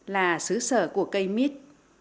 là sứ sở của cây mít